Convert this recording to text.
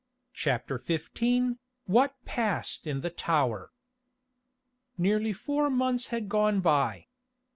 CHAPTER XV WHAT PASSED IN THE TOWER Nearly four months had gone by.